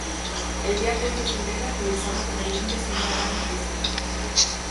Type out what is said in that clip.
El día tres de Febrero actualizaron con el link de su nueva página oficial.